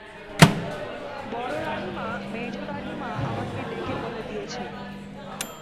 বড়োরানীমা মেজোরানীমা আমাকে ডেকে বলে দিয়েছেন।